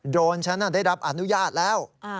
โรนฉันได้รับอนุญาตแล้ว